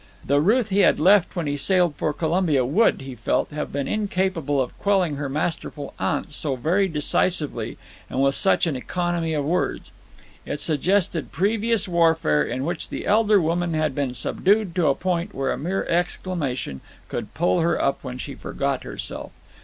The Ruth he had left when he sailed for Colombia would, he felt, have been incapable of quelling her masterful aunt so very decisively and with such an economy of words. It suggested previous warfare, in which the elder woman had been subdued to a point where a mere exclamation could pull her up when she forgot herself.